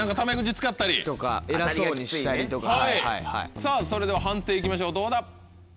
さぁそれでは判定行きましょうどうだ？